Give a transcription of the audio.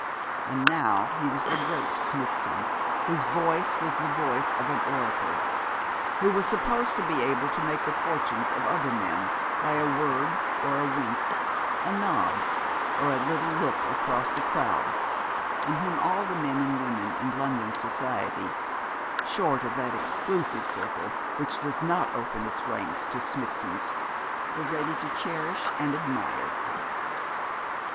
And now he was the great Smithson, whose voice was the voice of an oracle, who was supposed to be able to make the fortunes of other men by a word, or a wink, a nod, or a little look across the crowd, and whom all the men and women in London society short of that exclusive circle which does not open its ranks to Smithsons were ready to cherish and admire.